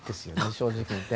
正直言って。